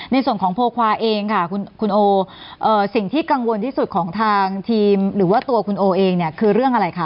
ในส่วนของโพควาเองค่ะคุณโอสิ่งที่กังวลที่สุดของทางทีมหรือว่าตัวคุณโอเองเนี่ยคือเรื่องอะไรคะ